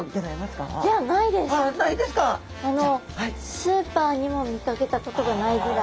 スーパーにも見かけたことがないぐらい。